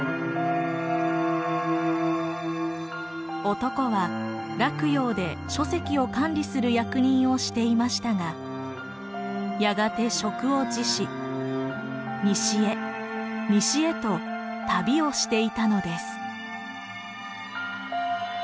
男は洛陽で書籍を管理する役人をしていましたがやがて職を辞し西へ西へと旅をしていたのです。